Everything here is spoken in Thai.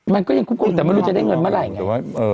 มันก็ยังคุ้มครองแต่ไม่รู้จะได้เงินเมื่อไหร่ไง